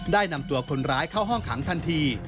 ได้นำตัวคนร้ายเข้าห้องขังทันที